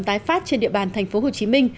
tái phát trên địa bàn tp hcm